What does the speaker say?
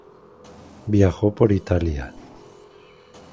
Viajó por Italia.